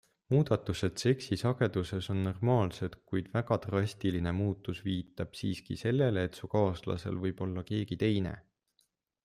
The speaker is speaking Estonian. Muudatused seksi sageduses on normaalsed, kuid väga drastiline muutus viitab siiski sellele, et su kaaslasel võib olla keegi teine.